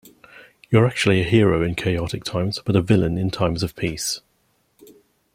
You're actually a hero in chaotic times but a villain in times of peace.